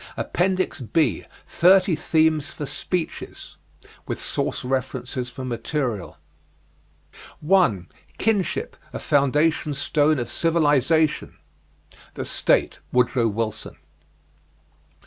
APPENDIX B THIRTY THEMES FOR SPEECHES With Source References for Material. 1. KINSHIP, A FOUNDATION STONE OF CIVILIZATION. "The State," Woodrow Wilson.